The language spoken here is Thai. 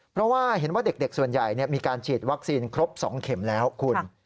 เพราะว่าเห็นว่าเด็กส่วนใหญ่มีการฉีดวัคซีนครบ๒เข็มแล้วคุณ